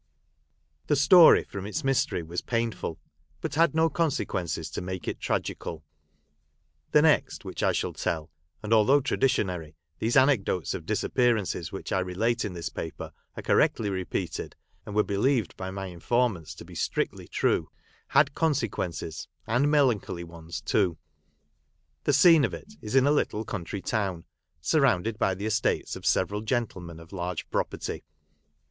This story from its mystery was painful, but had no consequences to make it tragical. The next which I shall tell, (and although traditionary, these anecdotes of disappear ances which I relate in this paper are cor rectly repeated, and were believed by my informants to be strictly true,} had conse quences, and melancholy ones too. The scene of it is in a little country town, surrounded by the estates of several gentlemen of large property.